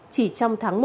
chỉ trong tháng một